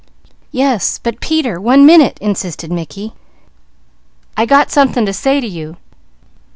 "Yes, but Peter, one minute," insisted Mickey. "I got something to say to you.